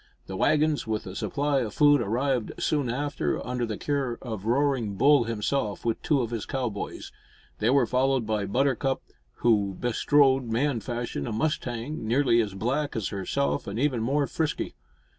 The waggons, with a supply of food, arrived soon after under the care of Roaring Bull himself, with two of his cowboys. They were followed by Buttercup, who bestrode, man fashion, a mustang nearly as black as herself and even more frisky.